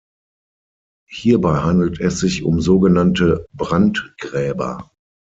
Hierbei handelt es sich um sogenannte Brandgräber.